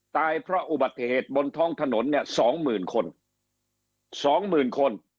ตายเพราะอุบัติเหตุบนท้องถนน๒๐๐๐คน